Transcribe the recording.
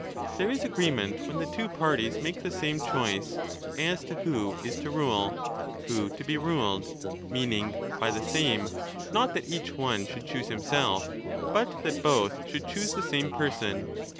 There is agreement when the two parties make the same choice as to who is to rule, who to be ruled, meaning by 'the same', not that each one should choose himself, but that both should choose the same person.